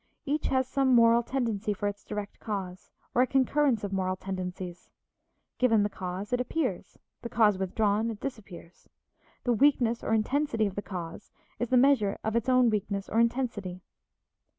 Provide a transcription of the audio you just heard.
Each has some moral tendency for its direct cause, or a concurrence of moral tendencies; given the cause, it appears; the cause withdrawn, it disappears; the weakness or intensity of the cause is the measure of its own weakness or intensity.